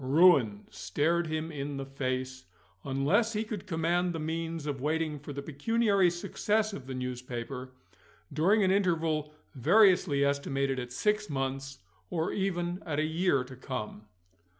Ruin stared him in the face, unless he could command the means of waiting for the pecuniary success of the newspaper, during an interval variously estimated at six months, or even at a year to come.